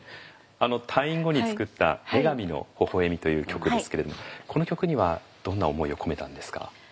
退院後に作った「女神の微笑み」という曲ですけれどもこの曲にはどんな思いを込めたんですか？